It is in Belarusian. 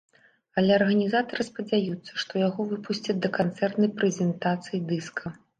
Але арганізатары спадзяюцца, што яго выпусцяць да канцэртнай прэзентацыі дыска.